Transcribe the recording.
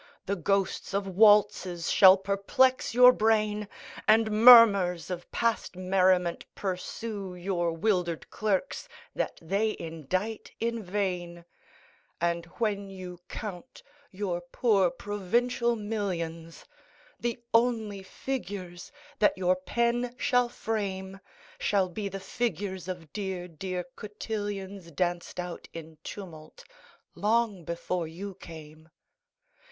The ghosts of waltzes shall perplex your brain, And murmurs of past merriment pursue Your 'wildered clerks that they indite in vain; And when you count your poor Provincial millions. The only figures that your pen shall frame Shall be the figures of dear, dear cotillons Danced out in tumult long before you came.